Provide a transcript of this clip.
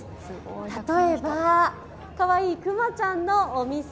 例えば、かわいいくまちゃんのお店。